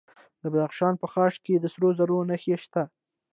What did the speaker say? د بدخشان په خاش کې د سرو زرو نښې شته.